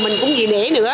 mình cũng gì để nữa